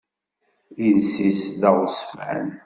Iles-is d aɣezfan.